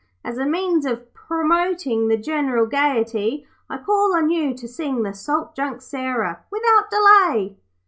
As a means of promoting the general gaiety, I call on you to sing the Salt Junk Sarah without delay.'